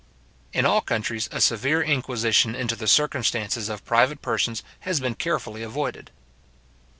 In all countries, a severe inquisition into the circumstances of private persons has been carefully avoided.